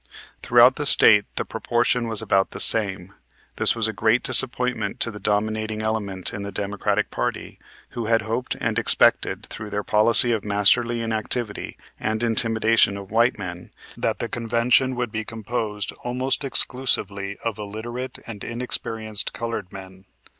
Throughout the State the proportion was about the same. This was a great disappointment to the dominating element in the Democratic party, who had hoped and expected, through their policy of "Masterly Inactivity" and intimidation of white men, that the convention would be composed almost exclusively of illiterate and inexperienced colored men.